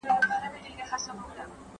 ¬ چي اوبه وي تيمم ته څه حاجت دئ.